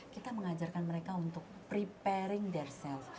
kita mengajarkan mereka untuk preparing their cell